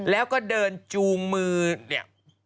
แล้วก็เดินจูงมือเนี่ย